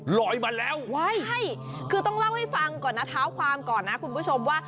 ลอยมาแล้วใช่คือต้องเล่าให้ฟังก่อนนะเท้าความก่อนนะคุณผู้ชมว่า